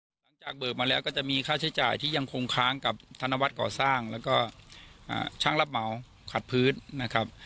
หลังจากเบิกมาแล้วก็จะมีค่าใช้จ่ายที่ยังคงค้างกับธนวัฒน์ก่อสร้างแล้วก็ช่างรับเหมาขัดพื้นนะครับ